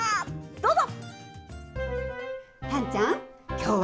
どうぞ。